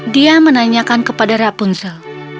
dia menanyakan kepada rapunzel